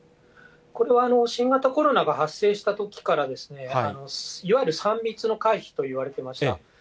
これは新型コロナが発生したときから、いわゆる３密の回避といわれてました。